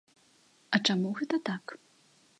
А чаму гэта так?